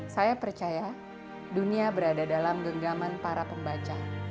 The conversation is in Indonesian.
saya percaya dunia berada dalam genggaman para pembaca